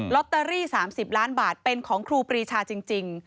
ตเตอรี่๓๐ล้านบาทเป็นของครูปรีชาจริง